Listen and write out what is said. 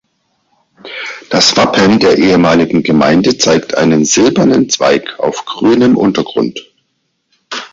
Das Wappen der ehemaligen Gemeinde zeigt einen silbernen Zweig auf grünem Untergrund.